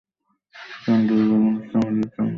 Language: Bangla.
কারণ দুর্বল অবস্থা আমাদের জন্য নয়!